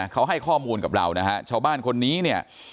เขาให้ข้อมูลกับเรานะฮะชาวบ้านคนนี้เนี่ย